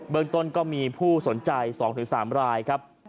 เมืองต้นก็มีผู้สนใจ๒๓รายครับ